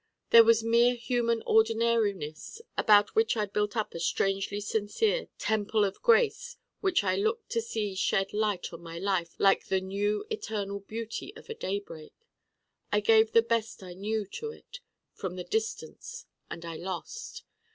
There was mere human ordinariness about which I built up a strangely sincere temple of grace which I looked to see shed light on my life like the new eternal beauty of a Day break. I gave the best I knew to it, from the distance, and I lost.